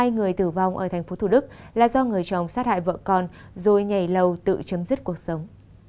hai người tử vong ở thành phố thủ đức là do người chồng sát hại vợ con rồi nhảy lầu tự chấm dứt cuộc sống